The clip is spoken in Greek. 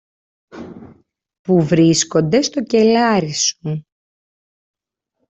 που βρίσκονται στο κελάρι σου